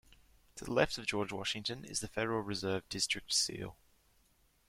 To the left of George Washington is the Federal Reserve District Seal.